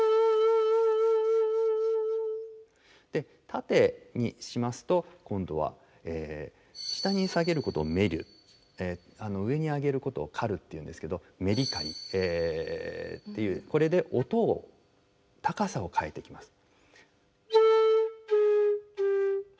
縦にしますと今度は下に下げることを「沈る」上に上げることを「浮る」っていうんですけどメリカリっていうこれで音を高さを変えていきます。